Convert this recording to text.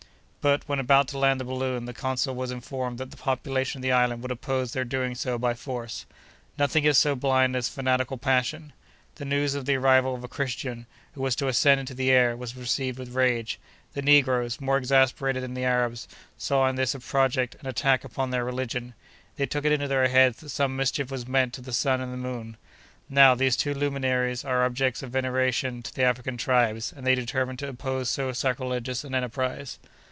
But, when about to land the balloon, the consul was informed that the population of the island would oppose their doing so by force. Nothing is so blind as fanatical passion. The news of the arrival of a Christian, who was to ascend into the air, was received with rage. The negroes, more exasperated than the Arabs, saw in this project an attack upon their religion. They took it into their heads that some mischief was meant to the sun and the moon. Now, these two luminaries are objects of veneration to the African tribes, and they determined to oppose so sacrilegious an enterprise.